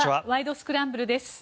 スクランブル」です。